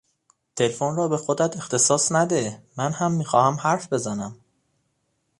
تلفن را به خودت اختصاص نده! منهم میخواهم حرف بزنم!